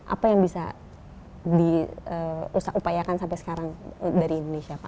apa yang bisa diusahakan sampai sekarang dari indonesia pak